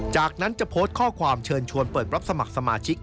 จากนั้นจะโพสต์ข้อความเชิญชวนเปิดรับสมัครสมาชิก